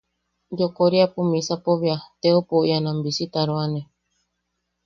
Yokoriapo misapo bea, teopou ian am bisitaroane.